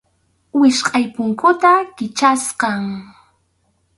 Wichqʼay punkuta Kichasqam.